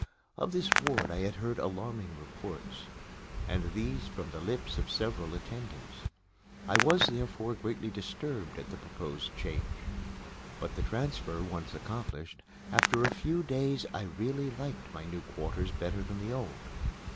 Of this ward I had heard alarming reports and these from the lips of several attendants. I was, therefore, greatly disturbed at the proposed change. But, the transfer once accomplished, after a few days I really liked my new quarters better than the old.